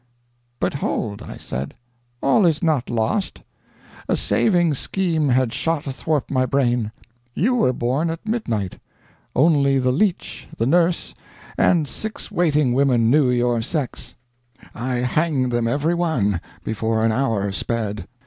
"'But hold,' I said, 'all is not lost.' A saving scheme had shot athwart my brain. You were born at midnight. Only the leech, the nurse, and six waiting women knew your sex. I hanged them every one before an hour sped.